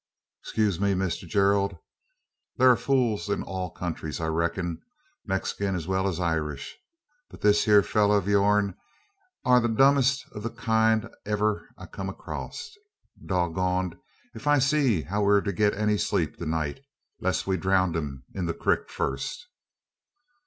'Scuse me, Mister Gerald! Thur air fools in all countries, I reck'n, 'Merican as well as Irish but this hyur follerer o' yourn air the durndest o' the kind iver I kim acrost. Dog goned if I see how we air to get any sleep the night, 'less we drownd him in the crik fust!"